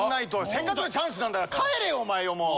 せっかくのチャンスなんだから帰れよお前もう！